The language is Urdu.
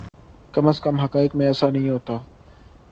کم از کم حقائق میں ایسا نہیں ہوتا۔